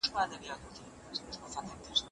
د شملې په لابراتوار کې کوم ډول اسانتیاوې سته؟